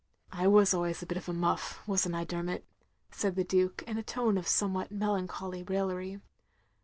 " I was always a bit of a mujff, was n't I, Der mot?" said the Duke, in a tone of somewhat mel ancholy raillery.